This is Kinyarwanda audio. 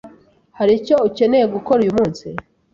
Hari icyo ukeneye gukora uyu munsi?